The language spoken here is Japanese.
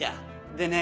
でね